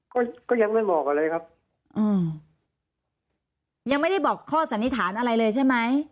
ก็ก็ยังไม่บอกอะไรครับอืมยังไม่ได้บอกข้อสันนิษฐานอะไรเลยใช่ไหม